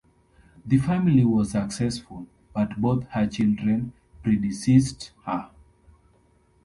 The family was successful, but both her children predeceased her.